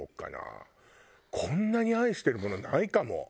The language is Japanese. こんなに愛してるものないかも。